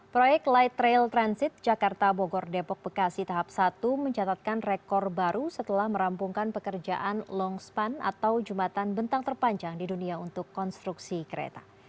proyek light rail transit jakarta bogor depok bekasi tahap satu mencatatkan rekor baru setelah merampungkan pekerjaan longspan atau jumatan bentang terpanjang di dunia untuk konstruksi kereta